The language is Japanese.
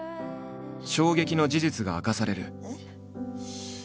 衝撃の事実が明かされる。